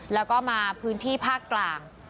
แล้วก็มาพื้นที่ภาคกลาง